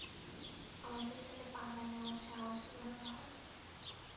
আমাদের সাথে পাঙ্গা নেওয়ার সাহস কীভাবে হয়?